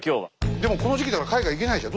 でもこの時期だから海外行けないじゃん。